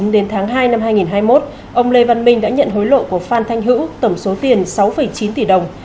đến tháng hai năm hai nghìn hai mươi một ông lê văn minh đã nhận hối lộ của phan thanh hữu tổng số tiền sáu chín tỷ đồng